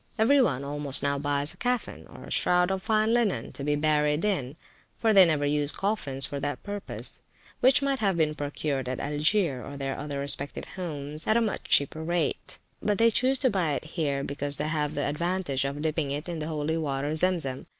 Every one almost now buys a caffin, or shroud of fine linen, to be buried in (for they never use coffins for that purpose), which might have been procured at Algier, or their other respective homes, at a much cheaper rate; but they choose to buy it here, because they have the advantage of dipping it in the holy water, Zem Zem.